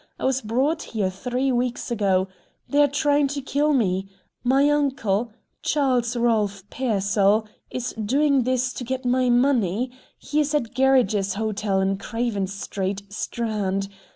I was brought here three weeks ago. They are trying to kill me. My uncle, Charles Ralph Pearsall, is doing this to get my money. He is at Gerridge's Hotel in Craven Street, Strand.